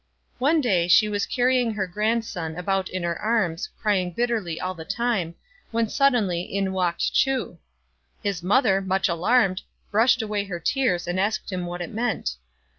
One day she was carrying her grandson about in her arms, crying bitterly all the time, when suddenly in walked Chu. His mother, much alarmed, brushed away her tears, and asked him what it meant.